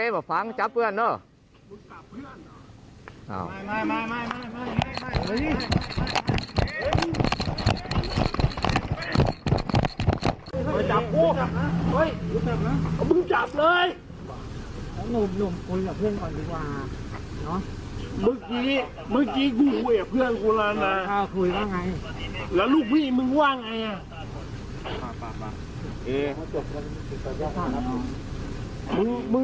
เมื่อกี้กูเวียบเพื่อนกูแล้วไงแล้วลูกพี่มึงว่าไง